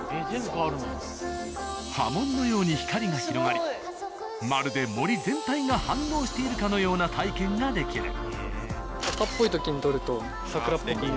波紋のように光が広がりまるで森全体が反応しているかのような体験ができる。